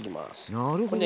なるほどね。